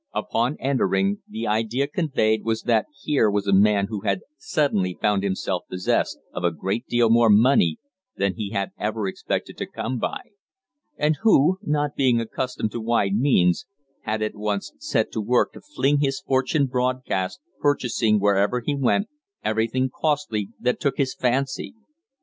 Upon entering, the idea conveyed was that here was a man who had suddenly found himself possessed of a great deal more money than he had ever expected to come by, and who, not being accustomed to wide means, had at once set to work to fling his fortune broadcast, purchasing, wherever he went, everything costly that took his fancy.